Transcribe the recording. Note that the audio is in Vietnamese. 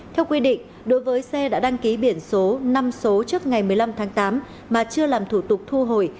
theo quy định đối với xe đã đăng ký biển số năm số trước ngày một mươi năm tháng tám mà chưa làm thủ tục thu hồi